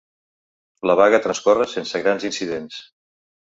La vaga transcorre sense grans incidències.